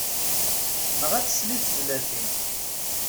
Neɣ ad tsel i tezlatin.